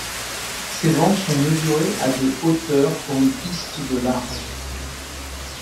Ces vents sont mesurés à de hauteur pour une piste de de large.